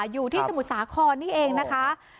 อยู่ที่สมุทรสาครนี่เองนะคะ